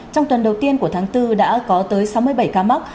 trong tuần đầu tiên của tháng bốn đã có tới sáu mươi bảy ca mắc